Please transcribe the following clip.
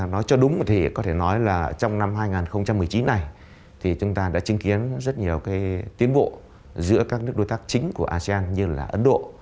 nói cho đúng thì có thể nói là trong năm hai nghìn một mươi chín này thì chúng ta đã chứng kiến rất nhiều cái tiến bộ giữa các nước đối tác chính của asean như là ấn độ